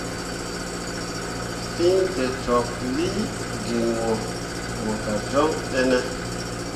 Fîi tokcwaklii gin wo mo gah joŋ ɗene ?